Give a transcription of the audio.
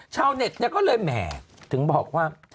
ชาวเน็ตก็เลยแหมถึงบอกว่า